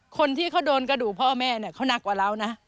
คนที่เขาโดนกระดูกพ่อแม่เนี่ยเขาหนักกว่าเรานะ